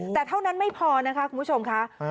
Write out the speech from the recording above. แต่เท่านั้นไม่พอนะคะคุณผู้ชมค่ะ